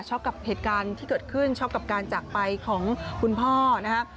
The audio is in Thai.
กับเหตุการณ์ที่เกิดขึ้นช็อกกับการจากไปของคุณพ่อนะครับ